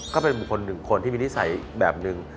ก็เป็นบุคคลหนึ่งคนที่มีนิสัยแบบหนึ่ง